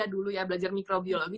dulu ya belajar mikrobiologi